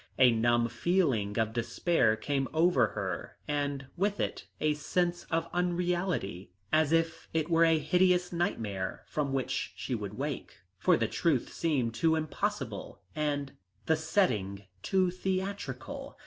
A numb feeling of despair came over her and with it a sense of unreality, as if it were a hideous nightmare from which she would wake, for the truth seemed too impossible, the setting too theatrical.